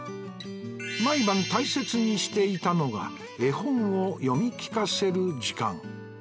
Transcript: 毎晩大切にしていたのが絵本を読み聞かせる時間